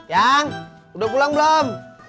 yang udah pulang belum